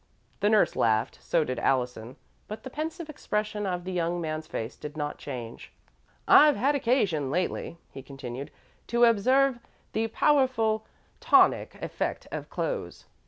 The nurse laughed; so did Allison, but the pensive expression of the young man's face did not change. "I've had occasion lately," he continued, "to observe the powerful tonic effect of clothes.